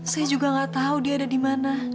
saya juga gak tahu dia ada di mana